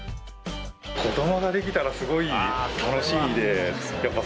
子どもができたらすごい楽しみです。